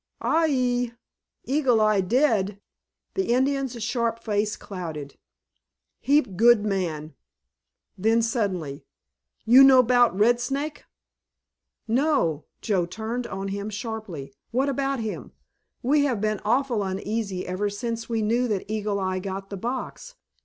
"Ai ee! Eagle Eye dead?" The Indian's sharp face clouded. "Heap good man." Then suddenly, "You know 'bout Red Snake?" "No," Joe turned on him sharply. "What about him? We have been awful uneasy ever since we knew that Eagle Eye got the box.